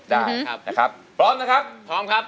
ได้ครับพร้อมนะครับ